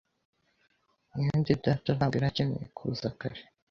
mwene data ntabwo yari akeneye kuza kare.